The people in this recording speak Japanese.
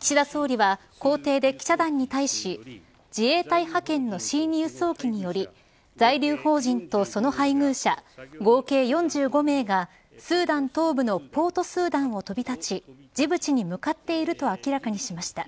岸田総理は公邸で記者団に対し自衛隊派遣のＣ−２輸送機により在留邦人とその配偶者合計４５名がスーダン東部のポート・スーダンを飛び立ちジブチに向かっていると明らかにしました。